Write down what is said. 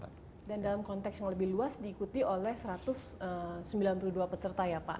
dan dalam konteks yang lebih luas diikuti oleh satu ratus sembilan puluh dua peserta ya pak